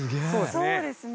そうですね。